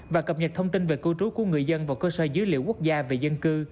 và cập nhật thông tin về cư trú của người dân vào cơ sở dữ liệu quốc gia về dân cư